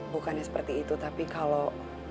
bukannya seperti itu tapi kalau